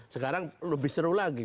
sekarang lebih seru lagi